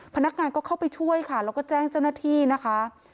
พนักงานก็เข้าไปช่วยค่ะแล้วก็แจ้งเจ้าหน้าที่นะคะ